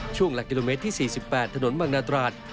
ช่วงหลักกิโลเมตรที่๔๘ถนนบางนาตราด